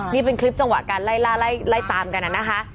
นี่เป็นคลิปจังหวะการไล่ล่าไล่ตามกันนะคะ